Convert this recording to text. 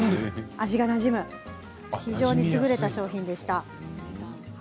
味がなじむ非常に優れた商品でした。